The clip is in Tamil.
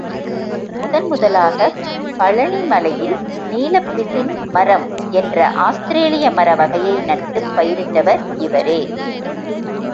முதன் முதலாகப் பழனி மலையில் நீலப் பிசின் மரம் என்ற ஆஸ்திரேலிய மர வகையை நட்டுப் பயிரிட்டவர் இவரே.